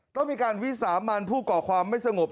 ต้องมีการวิสามันผู้ก่อความไม่สงบ